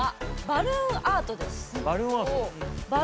バルーンアート。